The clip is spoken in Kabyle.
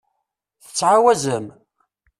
Tettɛawazem?